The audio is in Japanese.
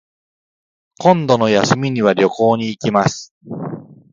今度の休みには旅行に行きます